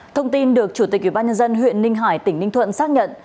thông tin được chủ tịch ubnd huyện ninh hải tỉnh ninh thuận xác nhận